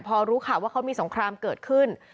พอรู้ข่าวว่าเขามีสงครามเกิดขึ้น